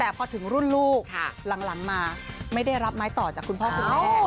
แต่พอถึงรุ่นลูกหลังมาไม่ได้รับไม้ต่อจากคุณพ่อคุณแม่